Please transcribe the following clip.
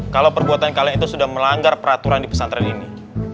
kalau perbuatan kalian itu sudah melanggar peraturan di pesantren ini